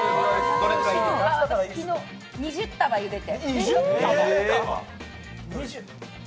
昨日、２０束ゆでて。